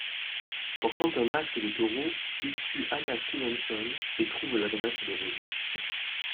Portant un masque de taureau, il tue Anna Stevenson et trouve l'adresse de Rosie.